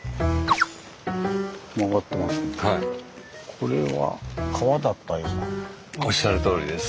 これはおっしゃるとおりです。